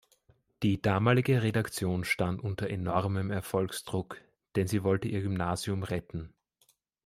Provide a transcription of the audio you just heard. Die damalige Redaktion stand unter enormen Erfolgsdruck, denn sie wollte ihr Gymnasium retten.